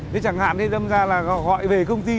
thế chẳng hạn thì đâm ra là họ gọi về công ty